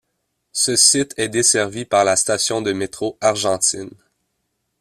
Ce site est desservi par la station de métro Argentine.